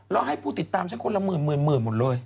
แล้วให้ผู้ติดตามฉันคนละหมื่นหมดเลย